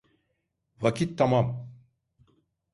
Vakit tamam.